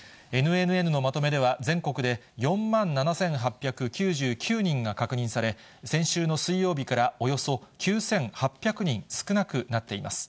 ＮＮＮのまとめでは、全国で４万７８９９人が確認され、先週の水曜日からおよそ９８００人少なくなっています。